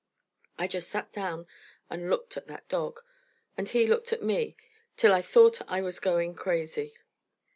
I just sat down and looked at that dog, and he looked at me, till I thought I was going crazy.